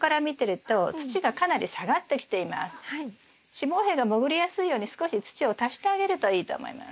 子房柄が潜りやすいように少し土を足してあげるといいと思います。